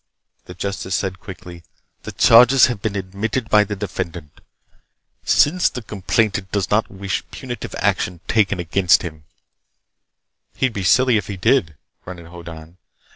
The justice said quickly: "The charges have been admitted by the defendant. Since the complainant does not wish punitive action taken against him—" "He'd be silly if he did," grunted Hoddan.